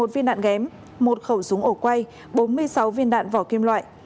một mươi một viên đạn ghém một khẩu súng ổ quay bốn mươi sáu viên đạn vỏ kim loại